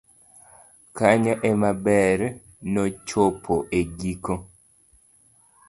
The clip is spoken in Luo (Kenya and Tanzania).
kanyo ema ber nochopo e giko